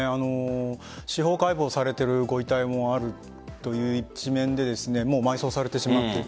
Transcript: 司法解剖されているご遺体もあるという一面でもう埋葬されてしまっている。